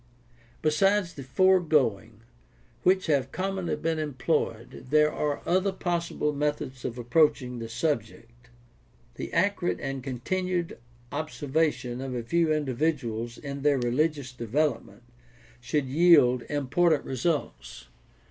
— Besides the foregoing, which have commonly been employed, there are other possible methods of approaching the subject. The accurate and continued observation of a few individuals in their religious development should yield important results.